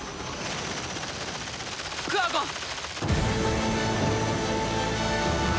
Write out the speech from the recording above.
クワゴン！